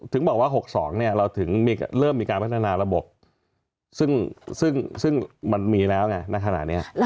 ถึงบอกว่า๖๒เราถึงเริ่มมีการพัฒนาระบบซึ่งมันมีแล้วไงในขณะนี้